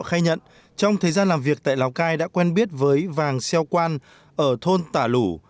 khai nhận trong thời gian làm việc tại lào cai đã quen biết với vàng xeo quan ở thôn tả lủ